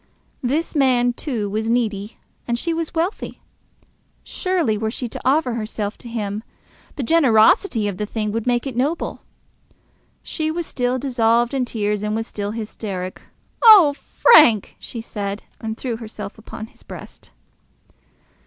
This man, too, was needy, and she was wealthy. Surely, were she to offer herself to him, the generosity of the thing would make it noble. She was still dissolved in tears and was still hysteric. "Oh, Frank!" she said, and threw herself upon his breast.